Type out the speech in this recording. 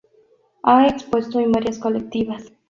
Ha expuesto en varias Colectivas.